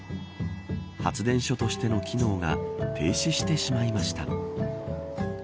発電所としての機能が停止してしまいました。